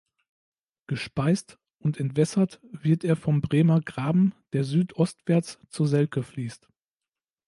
Gespeist und entwässert wird er vom Bremer Graben, der südostwärts zur Selke fließt.